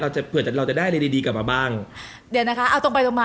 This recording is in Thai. จะเผื่อจะเราจะได้อะไรดีดีกลับมาบ้างเดี๋ยวนะคะเอาตรงไปตรงมา